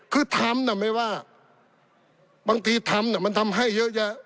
คือทำน่ะไม่ว่าบางทีทำมันทำให้เยอะแยะ